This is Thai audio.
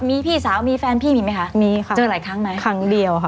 มีพี่สาวมีแฟนพี่มีไหมคะมีค่ะเจอหลายครั้งไหมครั้งเดียวค่ะ